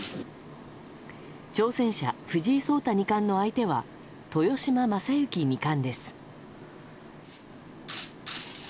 挑戦者、藤井聡太二冠の相手は豊島将之二冠です。